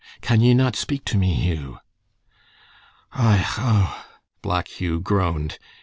Can ye not speak to me, Hugh?" "Oich oh," Black Hugh groaned.